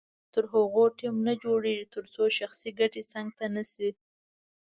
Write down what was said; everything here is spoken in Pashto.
تر هغو ټیم نه جوړیږي تر څو شخصي ګټې څنګ ته نه شي.